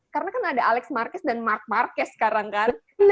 karena kan ada alex marques dan mark marques sekarang kan